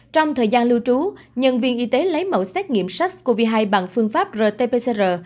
trong thời gian lưu trú nhân viên y tế lấy mẫu xét nghiệm sars cov hai bằng phương pháp rt pcr